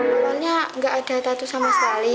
awalnya nggak ada tatu sama sekali